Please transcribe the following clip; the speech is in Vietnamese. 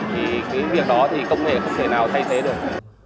thì cái việc đó thì công nghệ không thể nào thay thế được